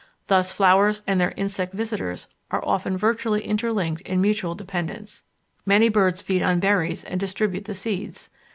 Thus flowers and their insect visitors are often vitally interlinked in mutual dependence. Many birds feed on berries and distribute the seeds.